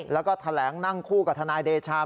แล้วก็แถลงนั่งคู่กับทนายเดชา